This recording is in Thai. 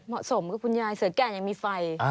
เหมาะสมกับคุณยายเสือแก่ยังมีไฟ